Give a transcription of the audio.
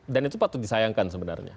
dan itu patut disayangkan sebenarnya